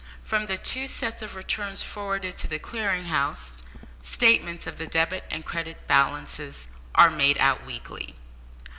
From the two sets of returns forwarded to the Clearing House, statements of the debit and credit balances are made out weekly.